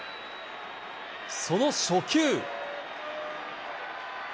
その初球。